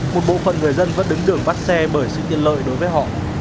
một bộ phận người dân vẫn đứng đường vắt xe bởi sự tiện lợi đối với họ